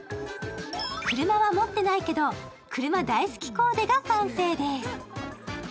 車は持ってないけど、車大好きコーデが完成です。